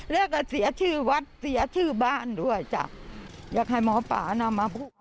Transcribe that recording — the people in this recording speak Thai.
แล้วก็เสียชื่อวัดเสียชื่อบ้านด้วยจ้ะอยากให้หมอป่านำมาพูด